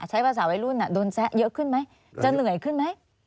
ใช้ภาษาวัยรุ่นโดนแซะเยอะขึ้นไหมจะเหนื่อยขึ้นไหม